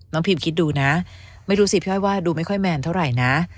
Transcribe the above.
พิมคิดดูนะไม่รู้สิพี่อ้อยว่าดูไม่ค่อยแมนเท่าไหร่นะ